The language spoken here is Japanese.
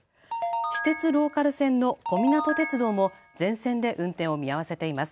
私鉄ローカル線の小湊鐵道も全線で運転を見合わせています。